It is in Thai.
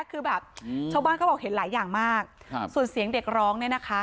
คือแบบชาวบ้านเขาบอกเห็นหลายอย่างมากครับส่วนเสียงเด็กร้องเนี่ยนะคะ